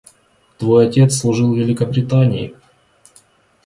Твой отец служил Великобритании.